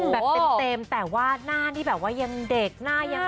แบบเต็มแต่ว่าหน้านี่แบบว่ายังเด็กหน้ายัง